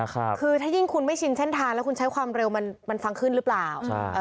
คือถ้ายิ่งคุณไม่ชินเส้นทางแล้วคุณใช้ความเร็วมันมันฟังขึ้นหรือเปล่าใช่เอ่อ